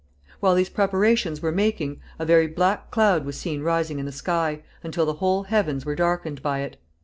While these preparations were making, a very black cloud was seen rising in the sky, until the whole heavens were darkened by it.